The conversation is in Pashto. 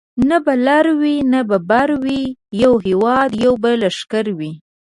نه به لر وي نه به بر وي یو هیواد یو به لښکر وي